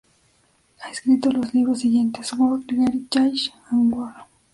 Ha escrito los libros siguientes: "World Heritage and War.